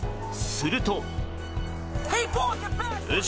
すると。